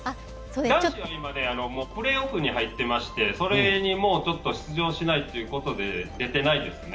男子は今プレーオフに入ってまして、それに出場しないということで出てないですね。